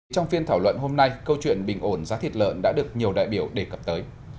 trong phiên thảo luận hôm nay câu chuyện bình ổn giá thịt lợn đã được nhiều đại biểu đề cập tới